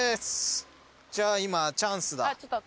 じゃあ今チャンスだ。